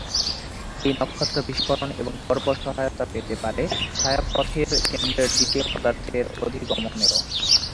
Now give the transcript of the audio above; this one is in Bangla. এই নক্ষত্র বিস্ফোরণ পর্ব সহায়তা পেতে পারে ছায়াপথের কেন্দ্রের দিকে পদার্থের অধিগমনেরও।